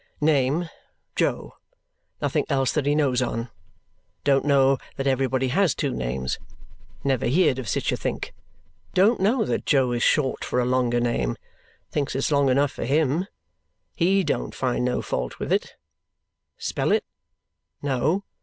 Name, Jo. Nothing else that he knows on. Don't know that everybody has two names. Never heerd of sich a think. Don't know that Jo is short for a longer name. Thinks it long enough for HIM. HE don't find no fault with it. Spell it? No.